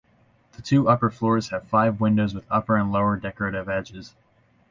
The two upper floors have five windows with upper and lower decorative edges.